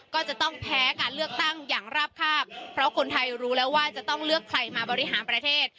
ก็จะต้องแพ้การเลือกตั้งอย่างราบคาบเพราะคนไทยรู้แล้วว่าจะต้องเลือกใครมาบริหารประเทศ